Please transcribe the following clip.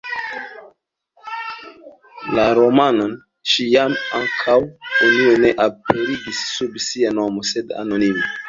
La romanon ŝi ja ankaŭ unue ne aperigis sub sia nomo, sed anonime.